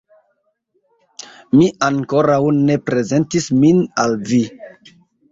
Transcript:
Mi ankoraŭ ne prezentis min al vi.